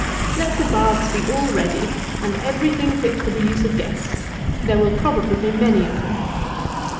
Let the baths be all ready, and everything fit for the use of guests. There will probably be many of them.